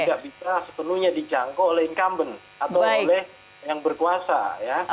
tidak bisa sepenuhnya dijangkau oleh incumbent atau oleh yang berkuasa ya